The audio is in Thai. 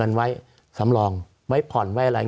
สวัสดีครับทุกคน